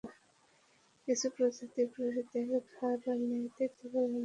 কিছু প্রজাতির পুরুষদের ঘাড় মেয়েদের থেকে লম্বা থাকে।